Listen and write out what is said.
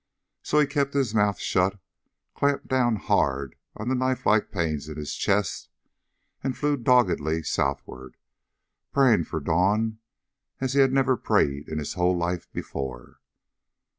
So he kept his mouth shut, clamped down hard on the knife like pains in his chest, and flew doggedly southward, praying for dawn as he had never prayed in his whole life before.